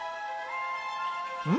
うん？